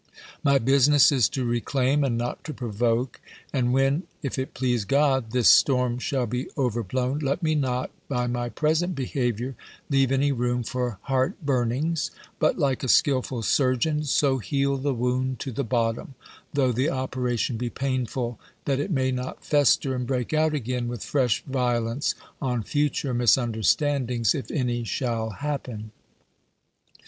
My business is to reclaim, and not to provoke. And when, if it please God, this storm shall be over blown, let me not, by my present behaviour, leave any room for heart burnings; but, like a skilful surgeon, so heal the wound to the bottom, though the operation be painful, that it may not fester, and break out again with fresh violence, on future misunderstandings, if any shall happen.